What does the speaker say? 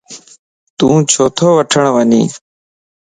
تون ڇو تو وٺڻ وڃين؟